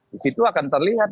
di situ akan terlihat